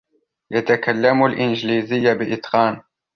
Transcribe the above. يتكلم الإنجليزية بإتقان.